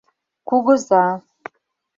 Кугыза.